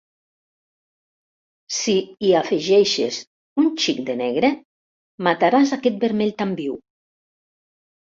Si hi afegeixes un xic de negre, mataràs aquest vermell tan viu.